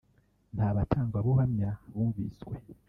nta batangabuhamya bumvishwe